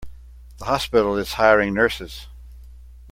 The hospital is hiring nurses.